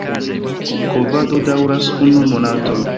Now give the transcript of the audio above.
Kovado daŭras unu monaton.